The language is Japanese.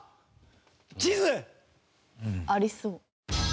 地図！ありそう。